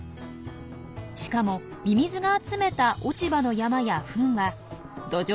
しかもミミズが集めた落ち葉の山やフンは土壌